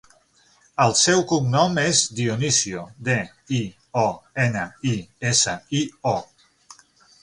El seu cognom és Dionisio: de, i, o, ena, i, essa, i, o.